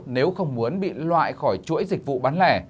nếu không muốn bị loại khỏi chuỗi dịch vụ bán lẻ